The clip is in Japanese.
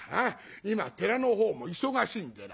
今寺のほうも忙しいんでな。